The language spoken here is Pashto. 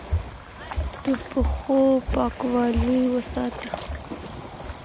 د پښو پاکوالی وساته